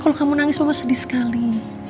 kalau kamu nangis mama sedih sekali